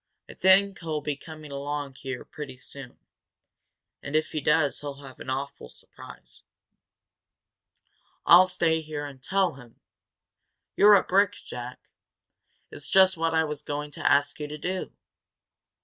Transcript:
I think he'll come along here pretty soon. And, if he does, he'll have an awful surprise." "I'll stay here and tell him " "You're a brick, Jack! It's just what I was going to ask you to do.